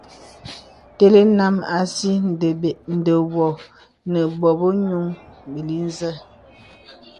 Tə̀lə nàm àsi nde wô ne bobə̄ yūŋ bəli nzə.